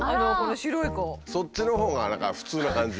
そっちのほうが何か普通な感じ。